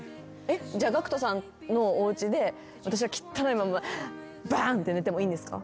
じゃあＧＡＣＫＴさんのおうちで私が汚いまんまバーンって寝てもいいんですか？